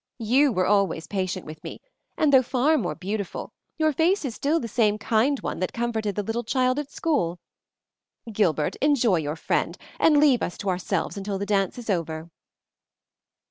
You were always patient with me, and though far more beautiful, your face is still the same kind one that comforted the little child at school. Gilbert, enjoy your friend, and leave us to ourselves until the dance is over."